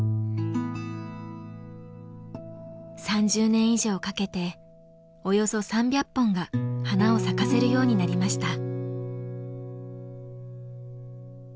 ３０年以上をかけておよそ３００本が花を咲かせるようになりました。